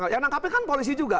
yang menangkapi kan polisi juga